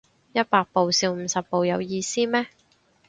一百步笑五十步有意思咩